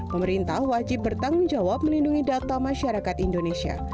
pemerintah wajib bertanggung jawab melindungi data masyarakat indonesia